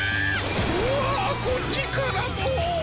うわこっちからも！